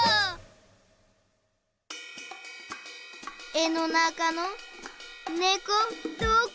絵のなかのねこどこ？